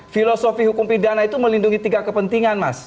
filosofi hukum pidana itu melindungi tiga kepentingan mas